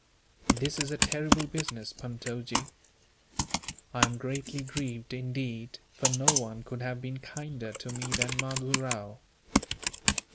"This is a terrible business, Puntojee." "I am greatly grieved, indeed, for no one could have been kinder to me than Mahdoo Rao."